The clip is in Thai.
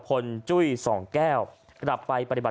คุณผู้ชมไปฟังเสียงพร้อมกัน